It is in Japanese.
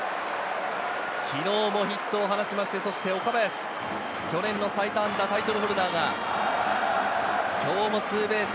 昨日もヒットを放ちまして、岡林、去年の最多安打タイトルホルダーが今日もツーベース。